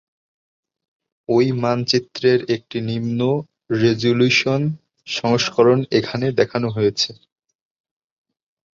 ঐ মানচিত্রের একটি নিম্ন রেজোলিউশন সংস্করণ এখানে দেখানো হয়েছে।